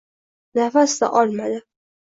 Nafas-da olmadi!